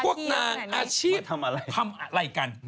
คุณคิดว่าพวกนางอาชีพทำอะไรกัน